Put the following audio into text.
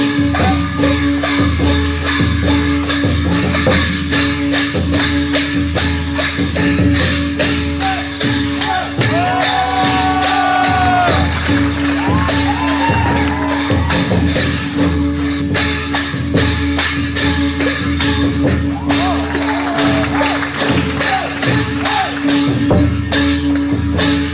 สุดยอดมากสุดยอดมาก